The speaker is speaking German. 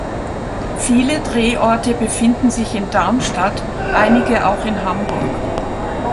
Viele Drehorte befinden sich in Darmstadt, einige auch in Hamburg.